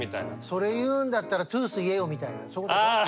それ言うんだったらトゥース言えよみたいなそういうこと？